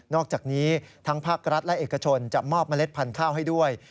อกจากนี้ทั้งภาครัฐและเอกชนจะมอบเมล็ดพันธุ์ข้าวให้ด้วย